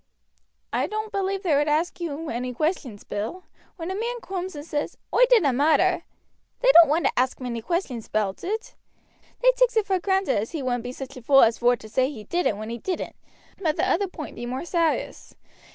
"I doan't believe they would ask you any questions, Bill. When a man cooms and says, 'Oi did a murder,' they doan't want to ask many questions aboot it. They takes it vor granted as he wouldn't be such a fool as vor to say he did it when he didn't. But th' other point be more sarous.